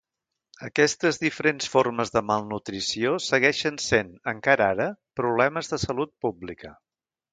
Aquestes diferents formes de malnutrició segueixen sent, encara ara, problemes de salut pública.